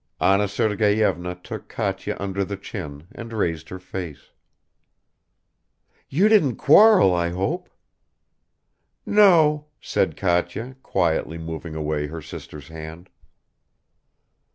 Anna Sergeyevna took Katya under the chin and raised her face. "You didn't quarrel, I hope." "No," said Katya, quietly moving away her sister's hand.